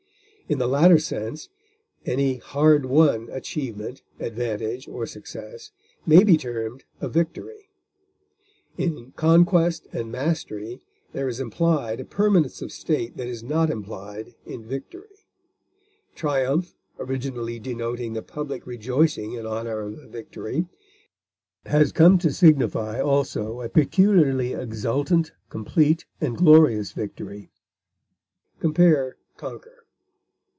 In the latter sense any hard won achievement, advantage, or success may be termed a victory. In conquest and mastery there is implied a permanence of state that is not implied in victory. Triumph, originally denoting the public rejoicing in honor of a victory, has come to signify also a peculiarly exultant, complete, and glorious victory. Compare CONQUER.